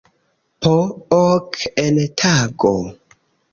Po ok en tago.